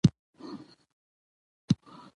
سوداګر خپلې معاملې اوس په ډیر لږ وخت کې بشپړوي.